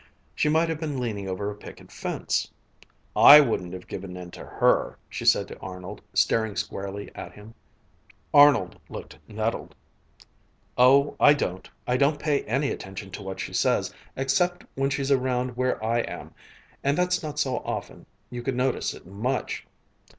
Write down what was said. She might have been leaning over a picket fence. "I wouldn't give in to Her!" she said to Arnold, staring squarely at him. Arnold looked nettled. "Oh, I don't! I don't pay any attention to what she says, except when she's around where I am, and that's not so often you could notice it much!